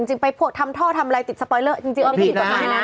ถูกต้องเหรอ